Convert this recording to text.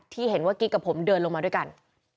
ที่เห็นว่ากิ๊กกับผมเดินลงมาด้วยกัน